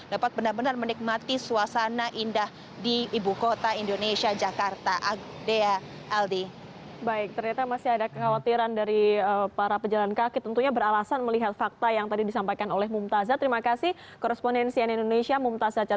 dapat benar benar menikmati suasana indah di ibu kota indonesia jakarta